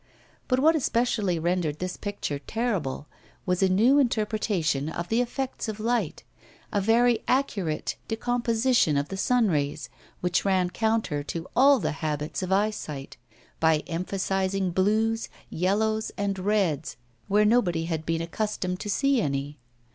But what especially rendered this picture terrible was a new interpretation of the effects of light, a very accurate decomposition of the sunrays, which ran counter to all the habits of eyesight, by emphasising blues, yellows and reds, where nobody had been accustomed to see any.